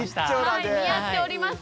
似合っております。